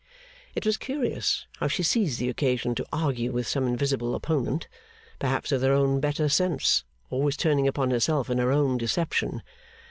It was curious how she seized the occasion to argue with some invisible opponent. Perhaps with her own better sense, always turning upon herself and her own deception.